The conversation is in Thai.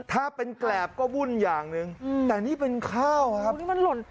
ถ้าเป็นแกร่บก็วุ่นอย่างแต่นี่เป็นข้าวครับ